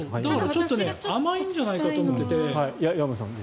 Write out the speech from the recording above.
ちょっと甘いんじゃないかと思っていて。